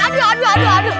aduh aduh aduh